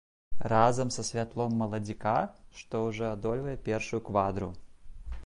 Разам са святлом маладзіка, што ўжо адольвае першую квадру.